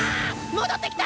戻ってきた！